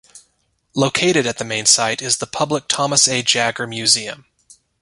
Located at the main site is the public Thomas A. Jaggar Museum.